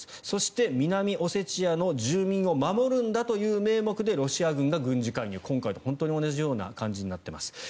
そして、南オセチアの住民を守るんだという名目でロシア軍が軍事介入今回と本当に同じような状況になっています。